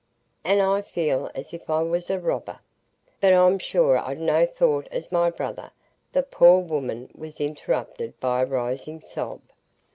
And I feel as if I was a robber. But I'm sure I'd no thought as my brother——" The poor woman was interrupted by a rising sob.